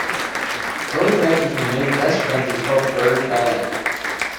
Both actors remained best friends until Berde died.